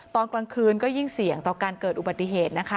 ตอนกลางคืนก็ยิ่งเสี่ยงต่อการเกิดอุบัติเหตุนะคะ